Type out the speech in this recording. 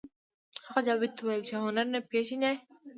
هغه جاوید ته وویل چې هنر نه پېژنئ